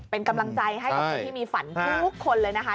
เป็นกำลังใจให้กับคนที่มีฝันทุกคนเลยนะคะ